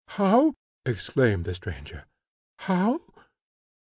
"How!" exclaimed the stranger "how!